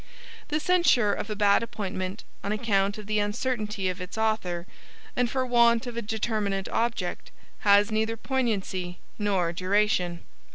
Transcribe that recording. The censure of a bad appointment, on account of the uncertainty of its author, and for want of a determinate object, has neither poignancy nor duration.